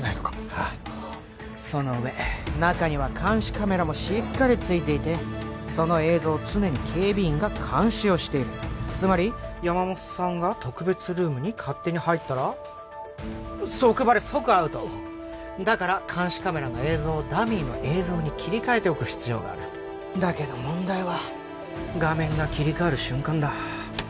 ああその上中には監視カメラもしっかりついていてその映像を常に警備員が監視をしているつまり山本さんが特別ルームに勝手に入ったら即バレ即アウトだから監視カメラの映像をダミーの映像に切り替えておく必要があるだけど問題は画面が切り替わる瞬間だ